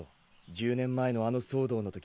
１０年前のあの騒動のとき